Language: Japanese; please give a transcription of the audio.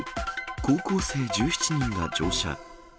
高校生１７人が乗車。